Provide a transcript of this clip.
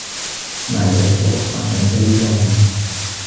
ماذا تتوقع أن تجد هنا؟